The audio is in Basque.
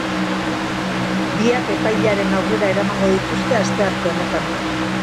Biak epailearen aurrera eramango dituzte astearte honetan.